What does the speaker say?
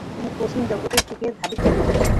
তিনি কোচিং জগতের দিকে ধাবিত হন।